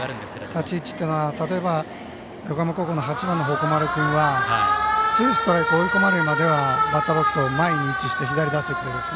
立ち位置って例えば、横浜高校の８番の鉾丸君はツーストライク追い込まれるまでバッターボックスの前に位置して左打席で。